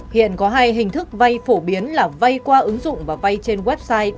hiện có hai hình thức vay phổ biến là vay qua ứng dụng và vay trên website